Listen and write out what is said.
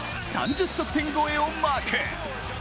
得点超えをマーク。